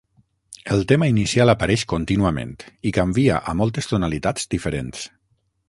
El tema inicial apareix contínuament i canvia a moltes tonalitats diferents.